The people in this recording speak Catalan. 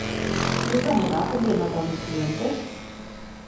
Qui es va negar prendre nota a unes clientes?